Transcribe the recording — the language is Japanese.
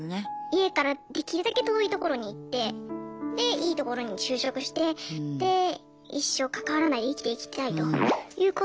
家からできるだけ遠い所に行ってでいいところに就職してで一生関わらないで生きていきたいということですね。